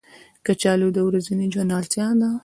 کچالو د ورځني ژوند اړتیا ده